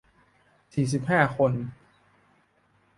สี่สิบห้า คน